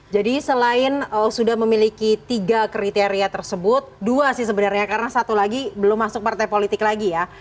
jadi selain sudah memiliki tiga kriteria tersebut dua sih sebenarnya karena satu lagi belum masuk partai politik lagi ya